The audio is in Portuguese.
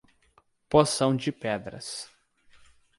Poção de Pedras